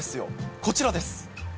こちらです。